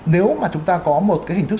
nếu mà chúng ta có một cái hình thức